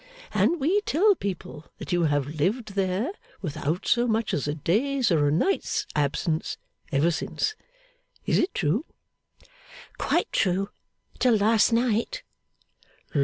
And we tell people that you have lived there, without so much as a day's or a night's absence, ever since. Is it true?' 'Quite true, till last night.